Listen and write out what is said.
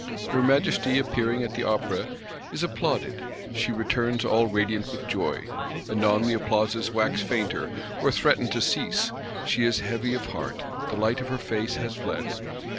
Her Majesty appearing at the Opera is applauded; she returns all radiant with joy. Anon the applauses wax fainter, or threaten to cease; she is heavy of heart, the light of her face has fled.